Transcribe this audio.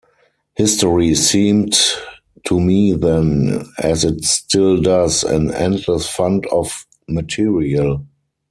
History seemed to me then, as it still does, an endless fund of material.